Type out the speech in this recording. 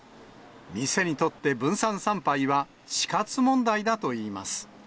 店にとって、分散参拝は死活問題だといいます。